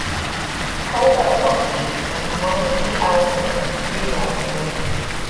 Pulver of Lockheed and Commander E. L. Simpson, Junior of the Navy.